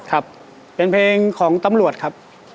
ครับเป็นเพลงของตำรวจครับ